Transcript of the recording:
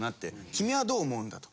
君はどう思うんだ？と。